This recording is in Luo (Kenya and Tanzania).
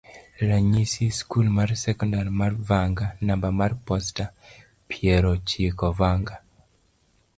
ranyisi, skul mar sekondar mar Vanga, namba mar posta, piero chiko Vanga